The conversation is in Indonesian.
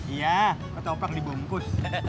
iya ketoprak dibungkus